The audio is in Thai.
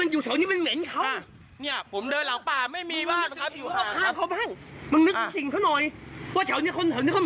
เนี่ยผมเดินหลังป่าไม่มีท่านต้องก่อ